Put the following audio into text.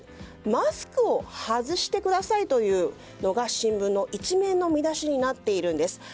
マスクを外してくださいというのが、新聞の１面の見出しになっているんです。